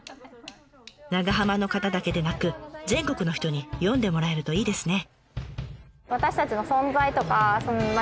長浜の方だけでなく全国の人に読んでもらえるといいですね。